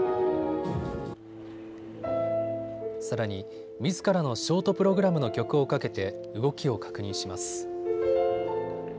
さらに、みずからのショートプログラムの曲をかけて動きを確認します。